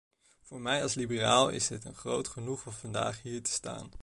Voor mij als liberaal is het een groot genoegen vandaag hier te staan.